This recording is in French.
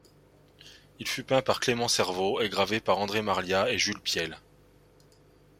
Il fut peint par Clément Serveau et gravé par André Marliat et Jules Piel.